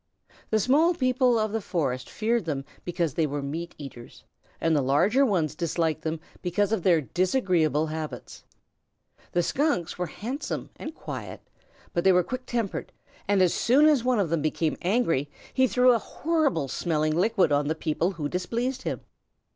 The small people of the forest feared them because they were meat eaters, and the larger ones disliked them because of their disagreeable habits. The Skunks were handsome and quiet, but they were quick tempered, and as soon as one of them became angry he threw a horrible smelling liquid on the people who displeased him.